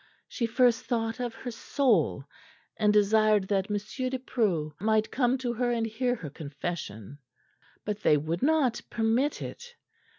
She first thought of her soul, and desired that M. de Preau might come to her and hear her confession; but they would not permit it.